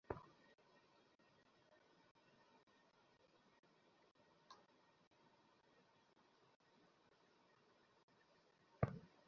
এর কারণেই তোমাদের সম্পর্কে গণ্ডগোল লেগেছিল, হাহ?